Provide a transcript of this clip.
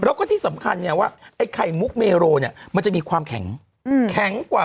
แล้วก็ที่สำคัญเนี่ยว่าไอ้ไข่มุกเมโรเนี่ยมันจะมีความแข็งแข็งกว่า